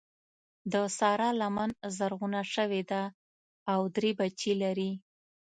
د سارا لمن زرغونه شوې ده او درې بچي لري.